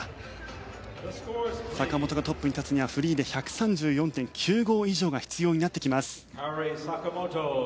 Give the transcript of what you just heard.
坂本がトップに立つにはフリーで１３４．９５以上が必要になってきます。